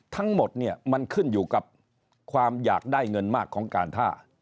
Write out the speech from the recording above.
ทั้งหมดเนี่ยมันขึ้นอยู่กับความอยากได้เงินมากของการท่า